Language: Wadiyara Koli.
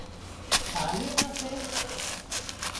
ٽالهي نان سي